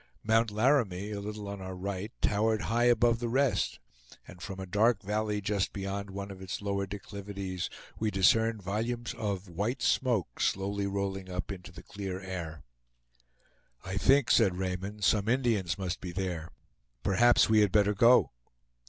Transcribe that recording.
Mount Laramie, a little on our right, towered high above the rest and from a dark valley just beyond one of its lower declivities, we discerned volumes of white smoke slowly rolling up into the clear air. "I think," said Raymond, "some Indians must be there. Perhaps we had better go."